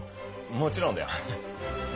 もちろんだよ。